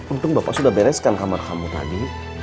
untung bapak sudah bereskan kamar kamu tadi